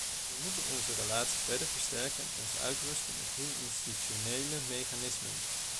We moeten onze relatie verder versterken en onszelf uitrusten met nieuwe institutionele mechanismen.